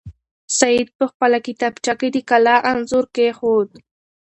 سعید په خپله کتابچه کې د کلا انځور کېښود.